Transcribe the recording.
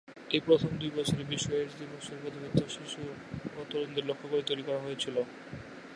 এর প্রথম দুই বছরে, বিশ্ব এইডস দিবসের প্রতিপাদ্য শিশু এবং তরুণদের লক্ষ্য করে তৈরি হয়েছিল।